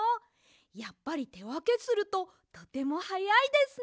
やっぱりてわけするととてもはやいですね。